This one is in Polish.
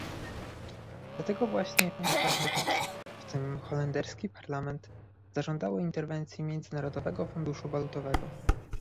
Dlatego właśnie państwa członkowskie, w tym holenderski parlament, zażądały interwencji Międzynarodowego Funduszu Walutowego